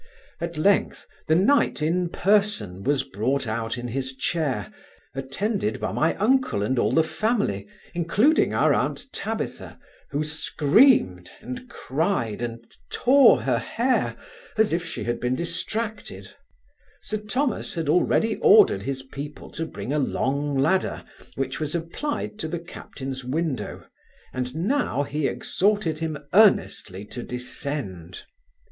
At length, the knight in person was brought out in his chair, attended by my uncle and all the family, including our aunt Tabitha, who screamed, and cried, and tore her hair, as if she had been distracted Sir Thomas had already ordered his people to bring a long ladder which was applied to the captain's, window, and now he exhorted him earnestly to descend.